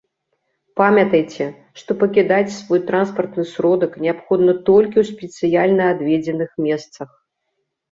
Памятайце, што пакідаць свой транспартны сродак неабходна толькі ў спецыяльна адведзеных месцах.